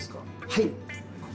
はい。